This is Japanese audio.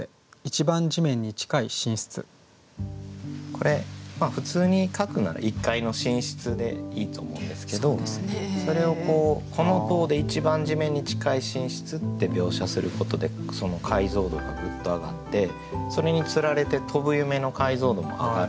これ普通に書くなら「１階の寝室」でいいと思うんですけどそれを「この棟で一番地面に近い寝室」って描写することでその解像度がグッと上がってそれにつられて「飛ぶ夢」の解像度も上がるような感覚が。